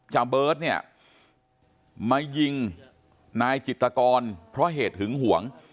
เบิร์ตเนี่ยมายิงนายจิตกรเพราะเหตุหึงหวง